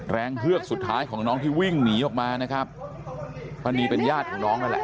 เฮือกสุดท้ายของน้องที่วิ่งหนีออกมานะครับป้านีเป็นญาติของน้องนั่นแหละ